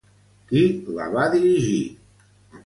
Qui la va dirigir?